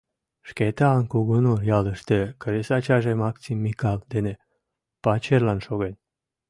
Шкетан Кугунур ялыште кресачаже — Максим Микал дене пачерлан шоген.